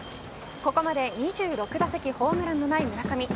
ここまで２６打席ホームランのない村上。